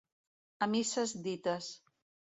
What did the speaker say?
A misses dites.